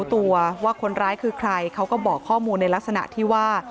ตัวว่าคนร้ายคือใครเขาก็บอกข้อมูลในลักษณะที่ว่า